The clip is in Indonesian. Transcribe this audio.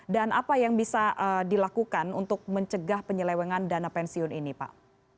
dan apa yang bisa dilakukan untuk mencegah penyelewengan dana pensiun ini pak